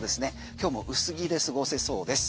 今日も薄着で過ごせそうです。